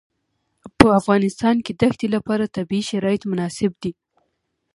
په افغانستان کې د ښتې لپاره طبیعي شرایط مناسب دي.